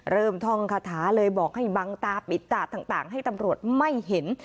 ท่องคาถาเลยบอกให้บังตาปิดตาดต่างให้ตำรวจไม่เห็น